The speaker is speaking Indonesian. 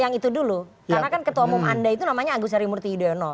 yang itu dulu karena kan ketua umum anda itu namanya agus harimurti yudhoyono